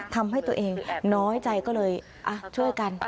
ทำให้ตัวเองน้อยใจก็เลยช่วยกัน